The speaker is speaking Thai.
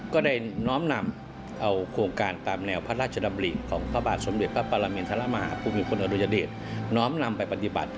ก็ได้น้อมนำเอาโครงการตามแนวพระราชดำริของพระบาทสมเด็จพระปรมินทรมาฮาภูมิพลอดุญเดชน้อมนำไปปฏิบัติ